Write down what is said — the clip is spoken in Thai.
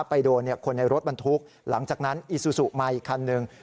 ไปโดนคนในรถบรรทุกหลังจากนั้นอีซูซูมาอีกคันหนึ่ง